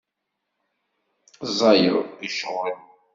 Ẓẓayeḍ i ccɣel.